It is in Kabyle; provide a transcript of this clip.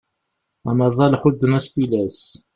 Amaḍal ḥudden-as tilas.